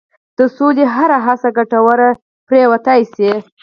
د سولې هره هڅه ګټوره پرېوتای شي.